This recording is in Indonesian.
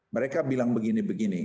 mereka bilang begini begini